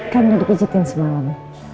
kan udah dipijetin semalam